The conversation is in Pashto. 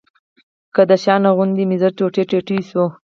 که د شانه غوندې مې زړه ټوټې ټوټې شو.